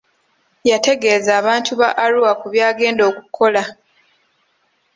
Yategeza abantu ba Arua ku by'agenda okukola.